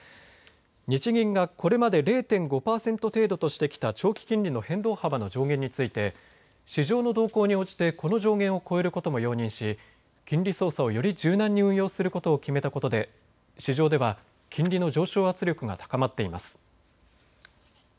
日銀がこれまで０．５％程度としてきた長期金利の変動幅の上限について市場の動向に応じてこの上限を超えることも容認し金利操作をより柔軟に運用することを決めたことで市場では金利の上昇圧力が高まっています。